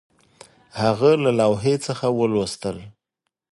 هغه له لوحې څخه ولوستل